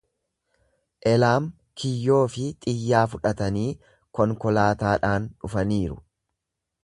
Elaam kiyyoofii xiyyaa fudhatanii konkolaataadhaan dhufaniiru.